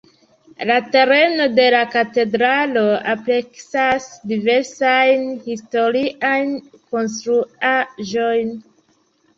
La tereno de la katedralo ampleksas diversajn historiajn konstruaĵojn.